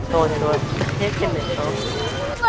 thôi thôi thôi hết tiền để em thôi